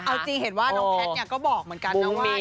เอาจริงเห็นว่าน้องแพทย์ก็บอกเหมือนกันนะว่า